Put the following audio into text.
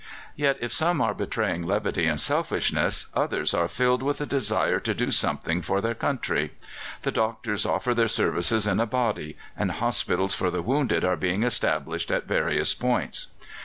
Yet, if some are betraying levity and selfishness, others are filled with a desire to do something for their country. The doctors offer their services in a body, and hospitals for the wounded are being established at various points.